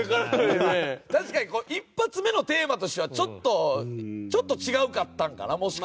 確かに一発目のテーマとしてはちょっとちょっと違うかったんかなもしかしたら。